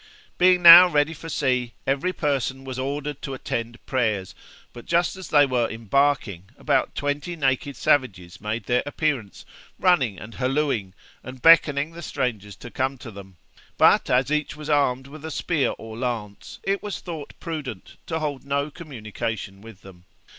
Being now ready for sea, every person was ordered to attend prayers; but just as they were embarking, about twenty naked savages made their appearance, running and hallooing, and beckoning the strangers to come to them; but, as each was armed with a spear or lance, it was thought prudent to hold no communication with them.